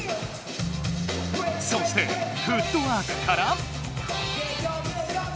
そしてフットワークから。